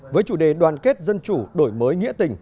với chủ đề đoàn kết dân chủ đổi mới nghĩa tình